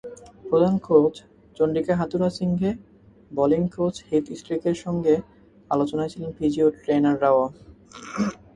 প্রধান coach Chandika Hathurusingha, bowling coach Heath স্ট্রিকের সঙ্গে আলোচনায় ছিলেন ফিজিও-ট্রেনাররাও।